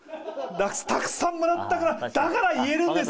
たくさんもらったからだから言えるんです。